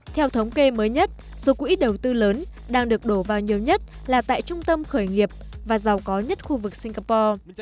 theo thống kê mới nhất số quỹ đầu tư lớn đang được đổ vào nhiều nhất là tại trung tâm khởi nghiệp và giàu có nhất khu vực singapore